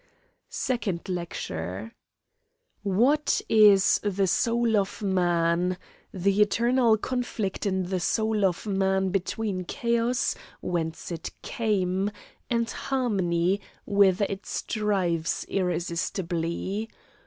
SECOND LECTURE What is the soul of man? The eternal conflict in the soul of man between chaos, whence it came, and harmony, whither it strives irresistibly.